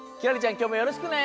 きょうもよろしくね！